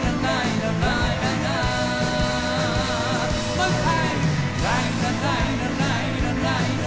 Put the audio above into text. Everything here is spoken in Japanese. もう一回！